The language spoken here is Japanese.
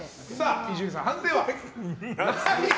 伊集院さん、判定は。